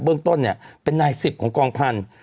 เรื่องต้นเนี่ยเป็นนายสิบของกองพันธุ์